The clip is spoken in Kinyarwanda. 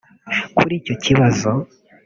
Kuri icyo kibazo